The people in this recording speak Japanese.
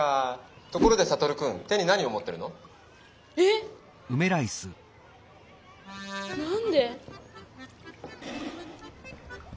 ところでサトルくん手に何をもってるの？え⁉何で？